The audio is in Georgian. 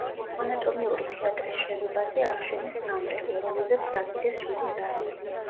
ანატომიური თეატრის შენობაზე ააშენეს სამრეკლო, რომელზეც დაკიდეს შვიდი ზარი.